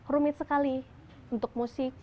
rumit sekali untuk musik